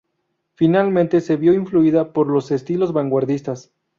Finalmente, se vio influida por los estilos vanguardistas.